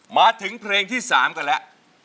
มาถึงเพลงที่๓กันแล้ว